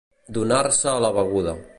Donar-se a la beguda.